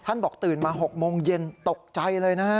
บอกตื่นมา๖โมงเย็นตกใจเลยนะฮะ